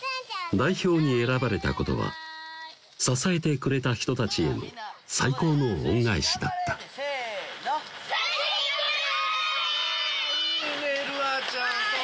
代表に選ばれたことは支えてくれた人たちへの最高の恩返しだったせの承信頑張れ！